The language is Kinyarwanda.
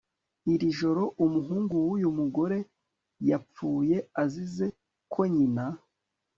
iri joro, umuhungu w'uyu mugore yapfuye azize ko nyina